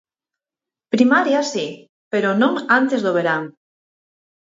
Primarias si, pero non antes do verán.